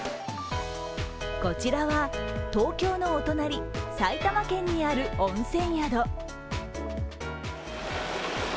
こちらは、東京のお隣埼玉県にある温泉宿。